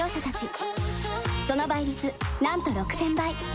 その倍率なんと６０００倍。